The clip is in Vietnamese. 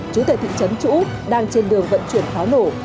chú tệ thị trấn chú úc đang trên đường vận chuyển pháo nổ